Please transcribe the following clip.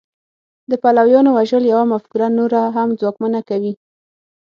د پلویانو وژل یوه مفکوره نوره هم ځواکمنه کوي